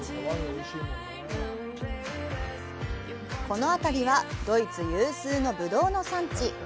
この辺りはドイツ有数のブドウの産地。